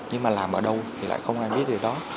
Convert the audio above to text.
nhưng mà làm ở đâu thì lại không ai biết điều đó